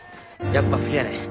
やっぱ好きやねん。